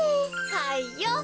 はいよ！